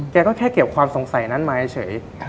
แกก็แค่เก็บความสงสัยนั้นมาเฉย